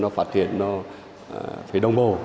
phát triển nó phải đông bồ